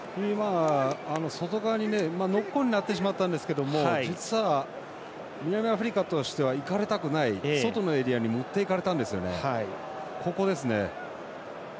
外側に、ノックオンになってしまったんですが実は南アフリカとしては行かれたくない、外のエリアに持っていかれたんですよね。